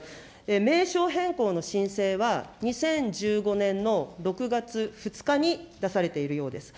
名称変更の申請は、２０１５年の６月２日に出されているようです。